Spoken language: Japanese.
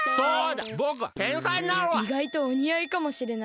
いがいとおにあいかもしれない。